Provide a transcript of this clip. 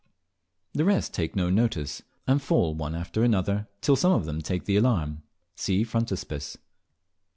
The rest take no notice, and fall one after another till some of them take the alarm. (See Frontispiece.)